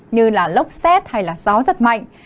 như là lốc xét hay là gió rất mạnh